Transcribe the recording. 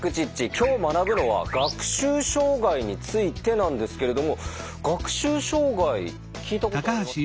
今日学ぶのは「学習障害」についてなんですけれども学習障害聞いたことありますか？